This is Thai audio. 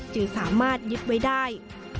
จึงสามารถยึดไว้ได้